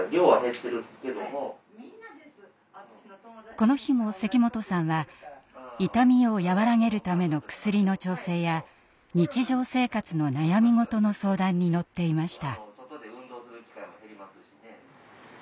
この日も関本さんは痛みを和らげるための薬の調整や日常生活の悩み事の相談に乗っていました。